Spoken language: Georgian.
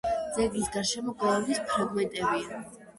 ძეგლის გარშემო გალავნის ფრაგმენტებია.